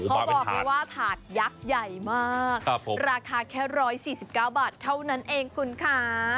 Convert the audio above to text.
เขาบอกเลยว่าถาดยักษ์ใหญ่มากราคาแค่๑๔๙บาทเท่านั้นเองคุณค่ะ